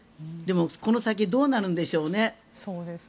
でも、この先どうなるんでしょうね。